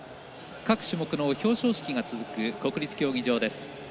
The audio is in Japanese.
各種目の表彰式が続く国立競技場です。